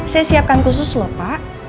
saya siapkan khusus lho pak